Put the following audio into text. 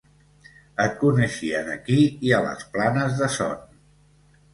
Et coneixien aquí i a les Planes de Son.